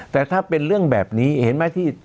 แต่ถ้าเป็นเรื่องแบบนี้เห็นไหมที่